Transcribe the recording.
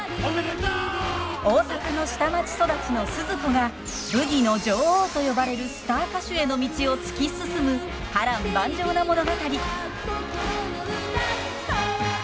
大阪の下町育ちのスズ子がブギの女王と呼ばれるスター歌手への道を突き進む波乱万丈な物語。へいっ！